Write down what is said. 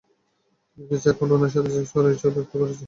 কিছু একাউন্ট উনার সাথে সেক্স করার ইচ্ছাও ব্যক্ত করেছে!